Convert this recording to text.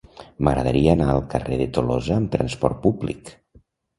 M'agradaria anar al carrer de Tolosa amb trasport públic.